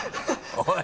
おい！